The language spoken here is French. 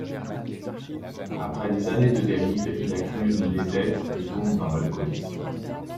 Après des années de dérive, il accumule les dettes et tombe dans l'alcoolisme.